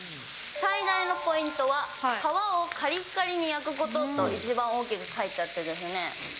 最大のポイントは、皮をかりっかりに焼くことと、一番大きく書いてあってですね。